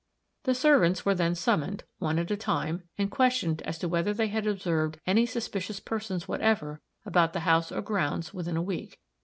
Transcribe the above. The servants were then summoned, one at a time, and questioned as to whether they had observed any suspicious persons whatever about the house or grounds within a week.